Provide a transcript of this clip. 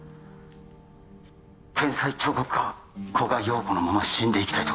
天才彫刻家・古賀洋子のまま死んでいきたいと？